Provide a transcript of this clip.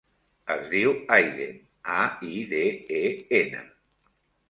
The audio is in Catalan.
Es diu Aiden: a, i, de, e, ena.